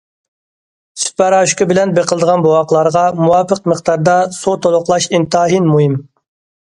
سۈت پاراشوكى بىلەن بېقىلىدىغان بوۋاقلارغا مۇۋاپىق مىقداردا سۇ تولۇقلاش ئىنتايىن مۇھىم.